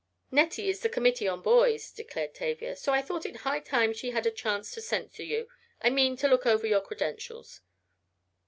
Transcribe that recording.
"Nettie is the committee on boys," declared Tavia, "so I thought it high time she had a chance to censure you I mean to look over your credentials."